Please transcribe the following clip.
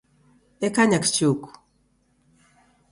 Dekanya kichuku.